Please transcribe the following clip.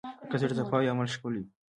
که زړه صفا وي، عمل ښکلی وي.